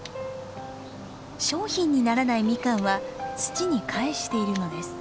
商品にならないミカンは土に返しているのです。